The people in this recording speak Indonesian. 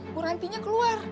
bu rantinya keluar